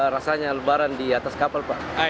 rasanya lebaran di atas kapal pak